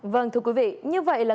vâng thưa quý vị như vậy là người dân